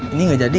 ini nggak jadi